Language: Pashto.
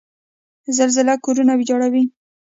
زلزله کورونه ویجاړوي.